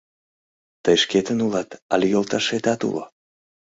Тый шкетын улат але йолташетат уло?